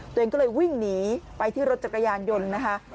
ตัวเองก็เลยวิ่งหนีไปที่รถจักรยานยนต์นะคะ